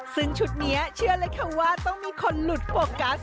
ซึ่งชุดนี้เชื่อเลยค่ะว่าต้องมีคนหลุดโฟกัส